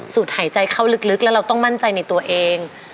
หายใจเข้าลึกแล้วเราต้องมั่นใจในตัวเอง